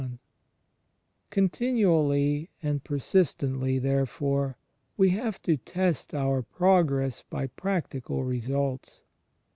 ^ Continually and per sistently, therefore, we have to test our progress by practical results.